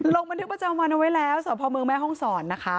รองบันทึกประจำวันเอาไว้แล้วสวัสดิ์ภาพมือแม่ห้องสอนนะคะ